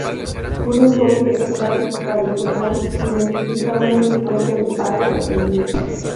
Un enfoque en fases tradicional identifica una secuencia de pasos a seguir.